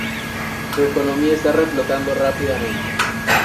Su economía está reflotando rápidamente.